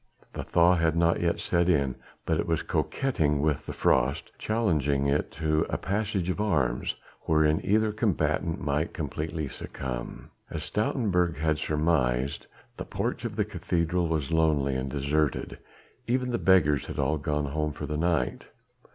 The thaw had not yet set in, but it was coquetting with the frost, challenging it to a passage of arms, wherein either combatant might completely succumb. As Stoutenburg had surmised the porch of the cathedral was lonely and deserted, even the beggars had all gone home for the night.